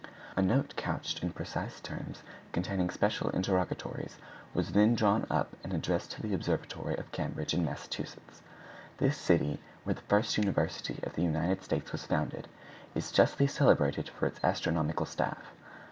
A note couched in precise terms, containing special interrogatories, was then drawn up and addressed to the Observatory of Cambridge in Massachusetts. This city, where the first university of the United States was founded, is justly celebrated for its astronomical staff.